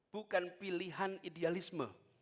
bukan pilihan idealisme